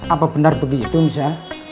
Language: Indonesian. apa benar begitu nisa